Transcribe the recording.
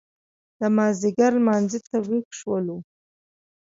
د مازیګر لمانځه ته وېښ شولو.